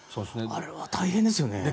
あれは大変ですね。